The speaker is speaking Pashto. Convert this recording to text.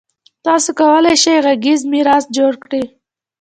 تاسو کولای شئ غږیز میراث جوړ کړئ.